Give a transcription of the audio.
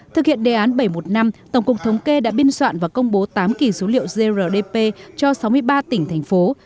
thực hiện đề án bảy trăm một mươi năm tổng cục thống kê đã biên soạn và công bố tám kỳ số liệu grdp cho sáu mươi ba tỉnh thành phố